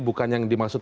bukan yang dimaksud